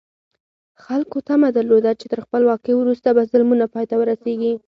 خلکو تمه درلوده چې تر خپلواکۍ وروسته به ظلمونه پای ته ورسېږي.